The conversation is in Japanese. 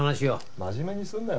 真面目にすんなよ